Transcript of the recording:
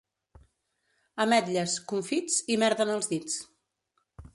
Ametlles, confits i merda en els dits.